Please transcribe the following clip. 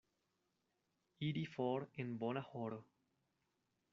Iri for en bona horo.